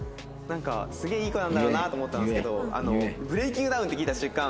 すげえいい子なんだろうなと思ったんですけど「ＢｒｅａｋｉｎｇＤｏｗｎ」って聞いた瞬間